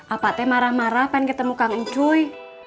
apatah marah marah pengen ketemu kang ncuy